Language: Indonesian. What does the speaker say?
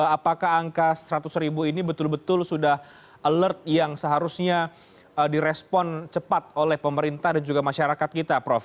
apakah angka seratus ribu ini betul betul sudah alert yang seharusnya direspon cepat oleh pemerintah dan juga masyarakat kita prof